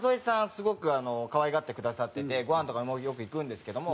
すごくかわいがってくださっててご飯とかもよく行くんですけども。